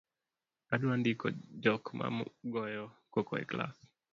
Adwa ndiko jok ma goyo koko e klas